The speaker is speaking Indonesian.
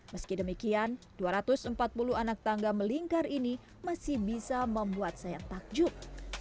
meski demikian dua ratus empat puluh anak tangga melingkar ini masih bisa membuat saya takjub